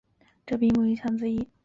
这并不影响字义。